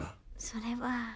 それは。